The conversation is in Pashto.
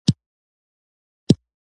چا د ورور او چا د زوی لپاره غوښتله